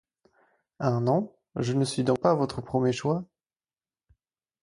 Un an ? Je ne suis donc pas votre premier choix ?